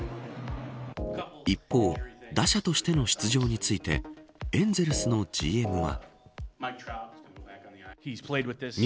一方、打者としての出場についてエンゼルスのＧＭは。